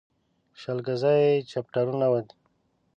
شل ګزي يې چپټرونه